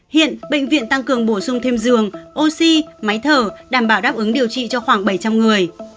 hiện bệnh viện tăng cường bổ sung thêm giường oxy máy thở đảm bảo đáp ứng điều trị cho khoảng bảy trăm linh người